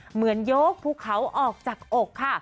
เหมือนยกภูเขาออกจากอกค่ะ